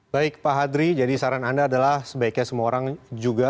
baik pak hadri jadi saran anda adalah sebaiknya semua orang juga